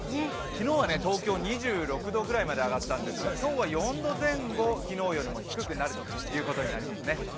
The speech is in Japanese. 昨日は東京、２６度ぐらいまで上がったんですが、今日は４度前後昨日よりも低くなるということになりますね。